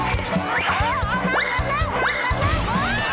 เออเอามาเร็ว